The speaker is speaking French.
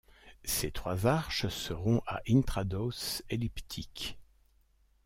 Ces trois arches seront à intrados elliptique.